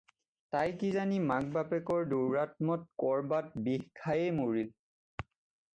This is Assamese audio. তাই কিজানি মাক-বাপেকৰ দৌৰাত্ম্যত কৰবাত বিহ খায়েই মৰিল।